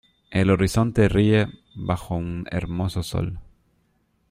el horizonte ríe bajo un hermoso sol.